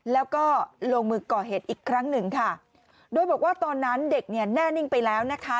แล้วก็ลงมือก่อเหตุอีกครั้งหนึ่งค่ะโดยบอกว่าตอนนั้นเด็กเนี่ยแน่นิ่งไปแล้วนะคะ